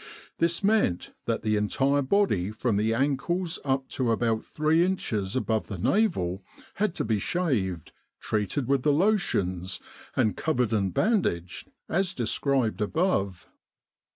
This meant that the entire body, from the ankles up to about three inches above the navel, had to be shaved, treated with the lotions, and covered and bandaged, as described above.